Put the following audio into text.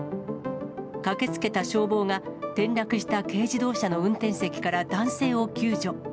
駆けつけた消防が転落した軽自動車の運転席から男性を救助。